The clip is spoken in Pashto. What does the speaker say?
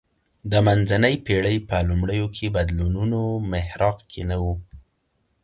د منځنۍ پېړۍ په لومړیو کې بدلونونو محراق کې نه و